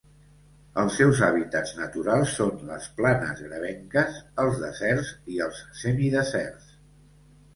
Els seus hàbitats naturals són les planes gravenques, els deserts i els semideserts.